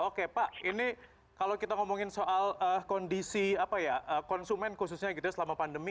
oke pak ini kalau kita ngomongin soal kondisi konsumen khususnya gitu ya selama pandemi